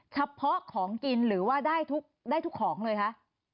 เฉพาะของกินหรือว่าได้ทุกของเลยคะ